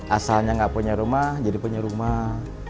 asalnya nggak punya rumah jadi punya rumah